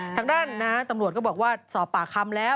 ทางด้านตำรวจก็บอกว่าสอบปากคำแล้ว